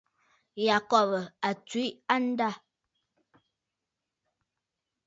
Taà Yacob a tswe andâ.